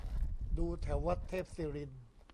ดูแถววัดเทพศิรินทร์